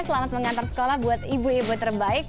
selamat mengantar sekolah buat ibu ibu terbaik